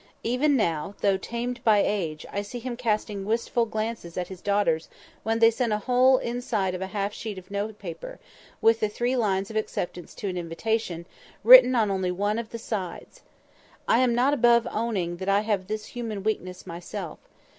Even now, though tamed by age, I see him casting wistful glances at his daughters when they send a whole inside of a half sheet of note paper, with the three lines of acceptance to an invitation, written on only one of the sides. I am not above owning that I have this human weakness myself.